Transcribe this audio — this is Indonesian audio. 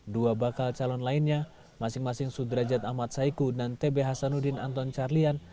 dua bakal calon lainnya masing masing sudrajat ahmad saiku dan tb hasanuddin anton carlian